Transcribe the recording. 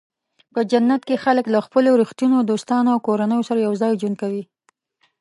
په جنت کې خلک له خپلو رښتینو دوستانو او کورنیو سره یوځای ژوند کوي.